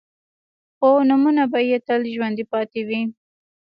خو نومونه به يې تل ژوندي پاتې وي.